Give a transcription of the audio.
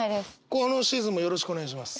このシーズンもよろしくお願いします。